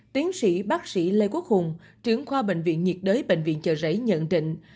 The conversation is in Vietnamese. tiến sĩ bác sĩ lê quốc hùng trưởng khoa bệnh viện nhiệt đới bệnh viện chợ rẫy nhận định